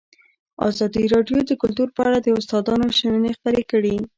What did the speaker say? ازادي راډیو د کلتور په اړه د استادانو شننې خپرې کړي.